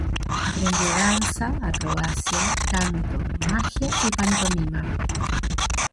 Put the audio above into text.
Aprendió danza, acrobacia, canto, magia y pantomima.